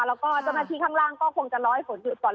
แล้วก็เจ้าหน้าที่ข้างล่างก็คงจะร้อยฝนอยู่ก่อน